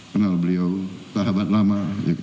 kenal beliau sahabat lama